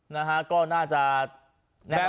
นะคะก็น่าจะแน่นอนแล้วล่ะ